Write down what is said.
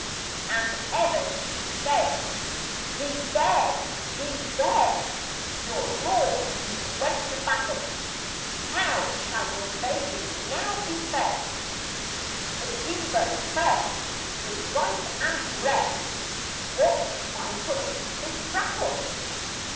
And ever she says, "He's dead! he's dead! Your lord who went to battle. How shall your baby now be fed, Ukibo fed, with rice and bread What if I hush his prattle?"